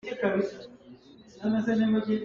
Sathau hi sahpiat sernak ah a ṭha.